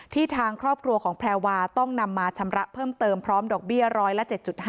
ทางครอบครัวของแพรวาต้องนำมาชำระเพิ่มเติมพร้อมดอกเบี้ยร้อยละ๗๕